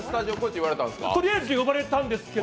とりあえず呼ばれたんですけど。